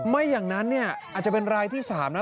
ไม่อย่างนั้นเนี่ยอาจจะเป็นรายที่๓นะ